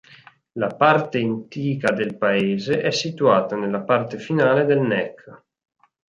La parte antica del paese è situata nella parte finale del neck.